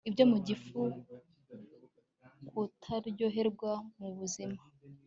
i byo mugifu kutaryoherwa nu buzima